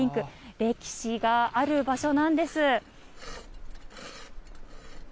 歴史がある場所なんです。